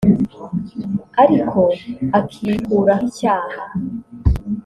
ariko akikuraho icyaha